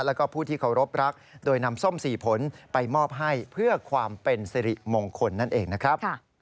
แล้วก็ผู้ที่เคารพรักโดยนำส้ม๔ผลไปมอบให้เพื่อความเป็นสิริมงคลนั่นเองนะครับ